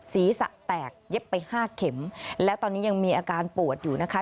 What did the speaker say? ศีรษะแตกเย็บไปห้าเข็มและตอนนี้ยังมีอาการปวดอยู่นะคะ